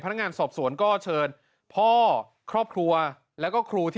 พนักงานสอบสวนก็เชิญพ่อครอบครัวแล้วก็ครูที่